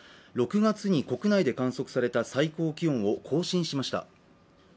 ６月に国内で観測された最高気温を更新しました。